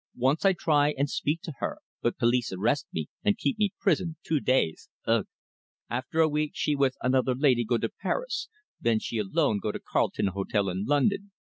Once I try and speak to her, but police arrest me and keep me prison two days ugh! After a week she with another laidee go to Paris; then she alone go to Carlton Hotel in London.